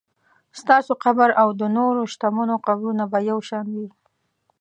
ستاسو قبر او د نورو شتمنو قبرونه به یو شان وي.